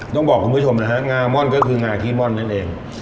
ต้องบอกคุณผู้ชมนะฮะงาม่อนก็คืองาขี้ม่อนนั่นเอง